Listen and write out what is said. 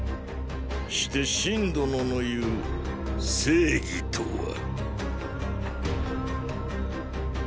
して信殿の言う“正義”とは？